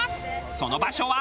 その場所は。